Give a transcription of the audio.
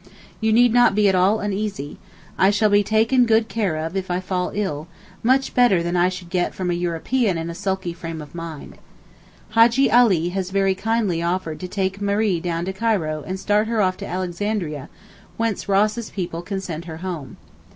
You need not be at all uneasy. I shall be taken good care of if I fall ill, much better than I should get from a European in a sulky frame of mind. Hajjee Ali has very kindly offered to take Marie down to Cairo and start her off to Alexandria, whence Ross's people can send her home.